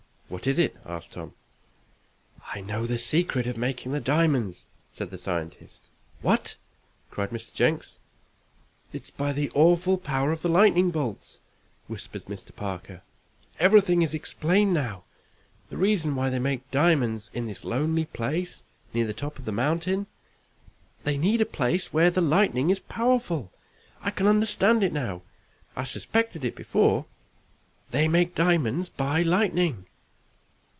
"What is it?" asked Tom. "I know the secret of making the diamonds," said the scientist. "What?" cried Mr. Jenks. "It is by the awful power of the lightning bolts!" whispered Mr. Parker. "Everything is explained now the reason why they make diamonds in this lonely place, near the top of the mountain. They need a place where the lightning is powerful. I can understand it now I suspected it before. They make diamonds by lightning!"